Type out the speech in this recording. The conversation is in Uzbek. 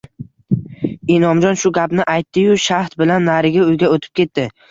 Inomjon shu gapni aytdi-yu, shahd bilan narigi uyga o`tib ketdi